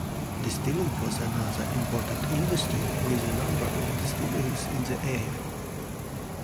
Distilling was another important industry with a number of distilleries in the area.